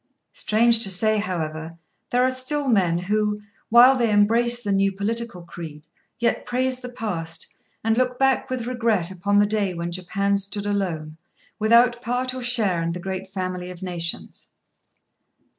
Strange to say, however, there are still men who, while they embrace the new political creed, yet praise the past, and look back with regret upon the day when Japan stood alone, without part or share in the great family of nations.